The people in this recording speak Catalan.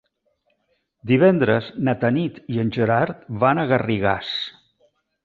Divendres na Tanit i en Gerard van a Garrigàs.